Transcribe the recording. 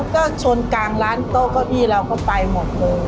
ก็ชนกลางร้านโต๊ะเก้าอี้เราก็ไปหมดเลย